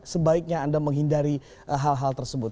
sebaiknya anda menghindari hal hal tersebut